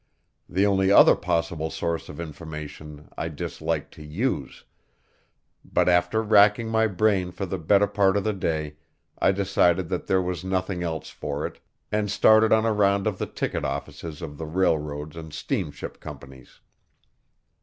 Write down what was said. The only other possible source of information I disliked to use; but after racking my brain for the better part of the day I decided that there was nothing else for it, and started on a round of the ticket offices of the railroads and steamship companies.